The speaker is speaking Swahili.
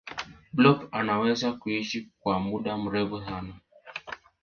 blob anaweza kuishi kwa muda mrefu sana